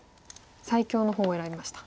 最強の方を選びました。